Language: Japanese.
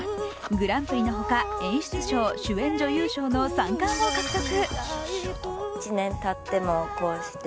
グランプリのほか演出賞、主演女優賞の三冠を獲得。